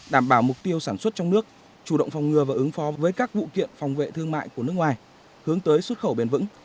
đảm bảo mục tiêu sản xuất trong nước chủ động phòng ngừa và ứng phó với các vụ kiện phòng vệ thương mại của nước ngoài hướng tới xuất khẩu bền vững